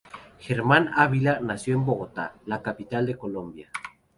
Germán Ávila nació en Bogotá, la capital de Colombia.